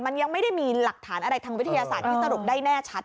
มันยังไม่ได้มีหลักฐานอะไรทางวิทยาศาสตร์ที่สรุปได้แน่ชัด